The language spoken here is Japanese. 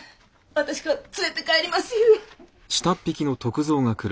私が連れて帰りますゆえ。